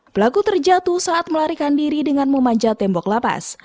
pelaku terjatuh saat melarikan diri dengan memanjat tembok lapas